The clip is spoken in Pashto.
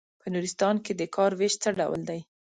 په نورستان کې د کار وېش څه ډول دی.